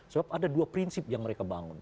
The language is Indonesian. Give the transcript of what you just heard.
sebab ada dua prinsip yang mereka bangun